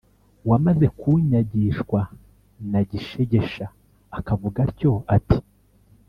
wamaze kunyagishwa na gishegesha akavuga atyo, ati: